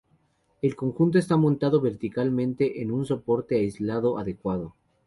El conjunto está montado verticalmente en un soporte aislado adecuado.